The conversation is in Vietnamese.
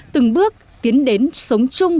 từng bước tiến đến sống chung